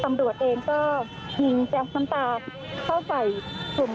เพราะตอนนี้ก็ไม่มีเวลาให้เข้าไปที่นี่